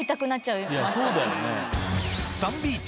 そうだよね。